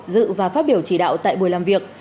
dự và phát biểu chỉ đạo tại buổi làm việc